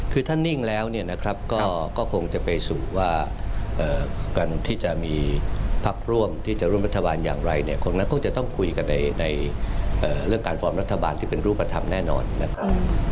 คือถ้านิ่งแล้วเนี่ยนะครับก็คงจะไปสู่ว่าการที่จะมีพักร่วมที่จะร่วมรัฐบาลอย่างไรเนี่ยคงนั้นคงจะต้องคุยกันในเรื่องการฟอร์มรัฐบาลที่เป็นรูปธรรมแน่นอนนะครับ